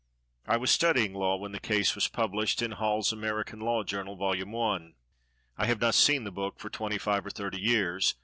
I was studying law when the case was published in "Hall's American Law Journal, vol. I." I have not seen the book for twenty five or thirty years.